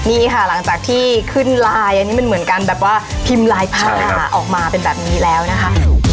นี่ค่ะหลังจากที่ขึ้นไลน์อันนี้มันเหมือนการแบบว่าพิมพ์ลายผ้าออกมาเป็นแบบนี้แล้วนะคะ